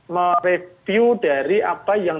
mereview dari apa yang